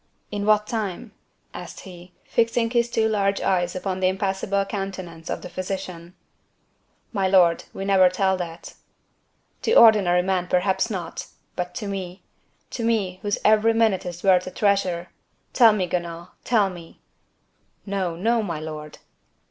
"In what time?" asked he, fixing his two large eyes upon the impassible countenance of the physician. "My lord, we never tell that." "To ordinary men, perhaps not;—but to me—to me, whose every minute is worth a treasure. Tell me, Guenaud, tell me!" "No, no, my lord."